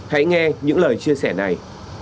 hãy nghe những lời chia sẻ này